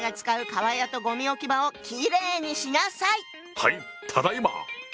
はいただいま！